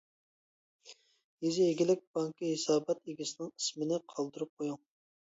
يېزا ئىگىلىك بانكا ھېسابات ئىگىسىنىڭ ئىسمىنى قالدۇرۇپ قويۇڭ.